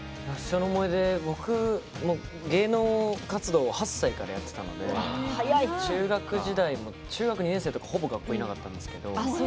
僕、芸能活動を８歳からやってたので中学２年生のときとかほぼ学校にいなかったんですけど。